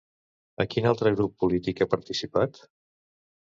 A quin altre grup polític ha participat?